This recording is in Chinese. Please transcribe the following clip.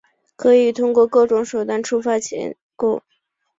可以通过各种手段触发构建。